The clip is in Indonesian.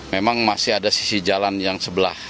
memang masih ada sisi jalan yang sebelah